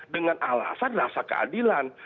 dengan alasan rasa keadilan